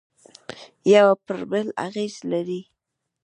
یوه پر بل اغېز لري